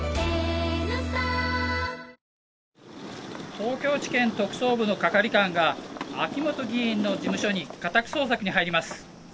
東京地検特捜部の係官が秋本議員の事務所に家宅捜索に入ります。